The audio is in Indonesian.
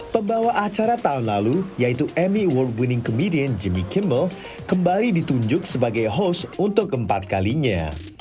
pembawa acara tahun lalu yaitu amy world winning commidian jimmy kimme kembali ditunjuk sebagai host untuk keempat kalinya